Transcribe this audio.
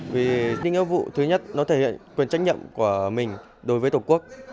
vì đi nghiệp vụ thứ nhất nó thể hiện quyền trách nhậm của mình đối với tổ quốc